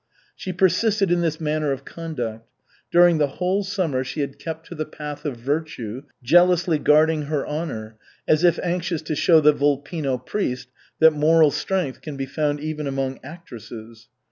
She persisted in this manner of conduct. During the whole summer she had kept to the path of virtue, jealously guarding her honor, as if anxious to show the Volpino priest that moral strength can be found even among actresses.